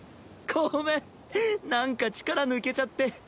ごめんなんか力抜けちゃって。